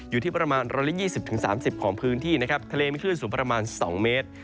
อยู่ที่ประมาณ๑๒๐๓๐ของพื้นที่คืนสูงประมาณ๒เมตร